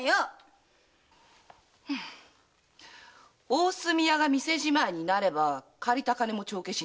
大隅屋が店じまいになれば借りた金も帳消しになる。